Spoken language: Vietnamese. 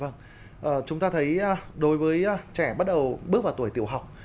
vâng chúng ta thấy đối với trẻ bắt đầu bước vào tuổi tiểu học